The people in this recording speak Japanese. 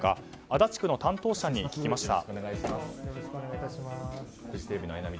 足立区の担当者に聞きました。